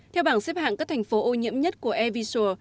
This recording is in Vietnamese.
theo bảng xếp hạng các thành phố ô nhiễm nhất của airvisual